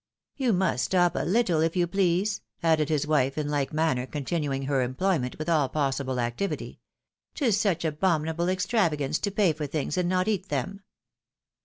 " You must stop a httle, if you please," added his wife, in like manner continuing her employment, with all possible activity. " 'Tis such abominable extravagance to pay for things and not eat them."